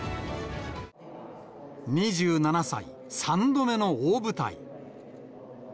２７歳、３度目の大舞台。